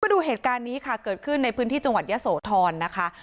ดูเหตุการณ์นี้ค่ะเกิดขึ้นในพื้นที่จังหวัดยะโสธรนะคะ